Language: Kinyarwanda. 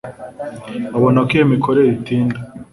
babona ko iyo mikorere itinda.